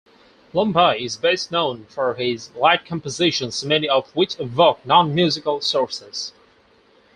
Lumbye is best known for his light compositions, many of which evoke non-musical sources.